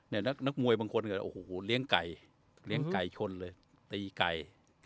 นักมวยบางคนก็โอ้โหเลี้ยงไก่เลี้ยงไก่ชนเลยตีไก่